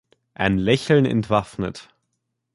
Ein Lächeln entwaffnet.